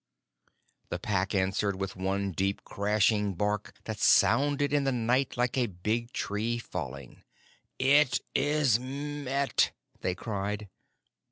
The Pack answered with one deep, crashing bark that sounded in the night like a big tree falling. "It is met!" they cried.